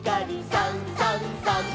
「さんさんさん」